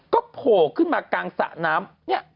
ก็โผล่ขึ้นมากลางสระน้ำ